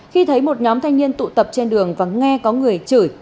khi thấy một nhóm thanh niên tụ tập trên đường và nghe có người chửi